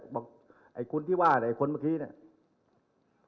ไอ้คุณที่ว่าไอ้คนเมื่อกี้เนี่ย